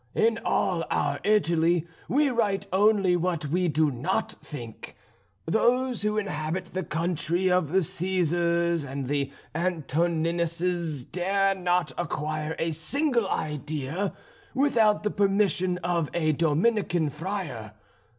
In all our Italy we write only what we do not think; those who inhabit the country of the Cæsars and the Antoninuses dare not acquire a single idea without the permission of a Dominican friar.